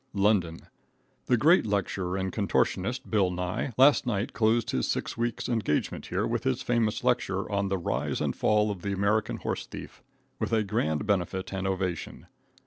LONDON, ,. The great lecturer and contortionist, Bill Nye, last night closed his six weeks' engagement here with his famous lecture on "The Rise and Fall of the American Horse Thief," with a grand benefit and ovation.